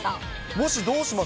もし、どうします？